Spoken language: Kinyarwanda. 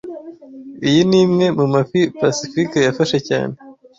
Iyi ni imwe mu mafi Pacifique yafashe cyane